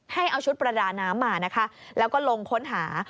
ให้เอาชุดประดาน้ำมานะคะแล้วก็ลงค้นหา